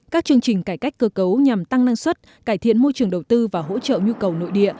các chương trình cải cách cơ cấu nhằm tăng năng suất cải thiện môi trường đầu tư và hỗ trợ nhu cầu nội địa